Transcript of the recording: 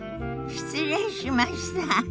失礼しました。